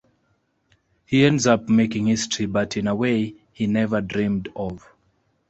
He ends up making history, but in a way he never dreamed of.